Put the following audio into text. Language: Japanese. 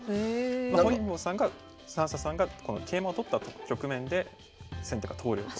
本因坊さんが算砂さんがこの桂馬を取った局面で先手が投了と。